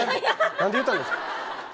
何で言うたんですか？